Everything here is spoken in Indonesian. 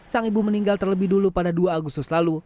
sang ibu meninggal terlebih dulu pada dua agustus lalu